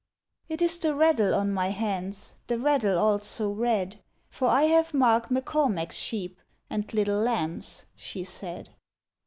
' It is the raddle on my hands, The raddle all so red, For I have marked M'Cormac's sheep And little lambs,' she said.